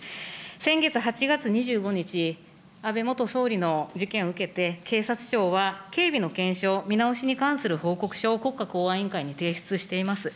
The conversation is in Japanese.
先月８月２５日、安倍元総理の事件を受けて、警察庁は、警備の検証、見直しに関する報告書を国家公安委員会に提出しています。